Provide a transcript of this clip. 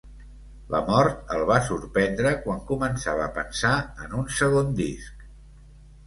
La mort el va sorprendre quan començava a pensar en un segon disc.